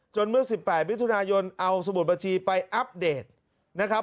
เมื่อ๑๘มิถุนายนเอาสมุดบัญชีไปอัปเดตนะครับ